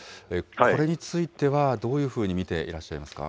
これについてはどういうふうに見ていらっしゃいますか。